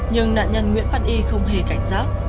nhưng nạn nhân nguyễn văn y không hề cảnh giác